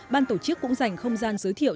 ban tổ chức cũng dành không gian giới thiệu